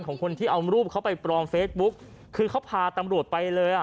ของคนที่เอารูปเขาไปปลอมเฟซบุ๊กคือเขาพาตำรวจไปเลยอ่ะ